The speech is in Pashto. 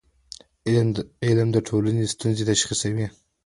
علم د ټولنې ستونزې تشخیصوي.